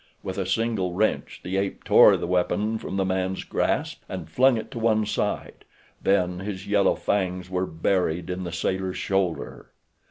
With a single wrench the ape tore the weapon from the man's grasp and flung it to one side, then his yellow fangs were buried in the sailor's shoulder.